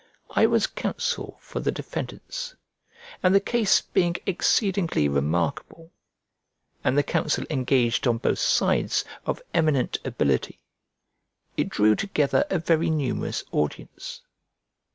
I was counsel for the defendants, and the case being exceedingly remarkable, and the counsel engaged on both sides of eminent ability, it drew together a very numerous audience.